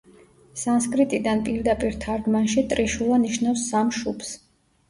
სანსკრიტიდან პირდაპირ თარგმანში ტრიშულა ნიშნავს „სამ შუბს“.